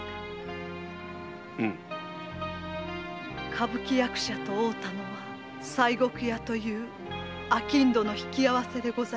歌舞伎役者と会うたのは西国屋という商人の引き合わせでございます。